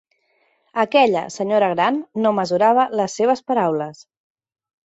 Aquella senyora gran no mesurava les seves paraules.